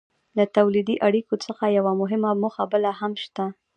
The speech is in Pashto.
له تولیدي اړیکو څخه یوه مهمه موخه بله هم شته.